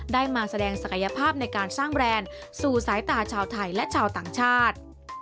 ได้มาแสดงศักยภาพในการสร้างแบรนด์สู่สายตาชาวไทยและชาวต่างชาติ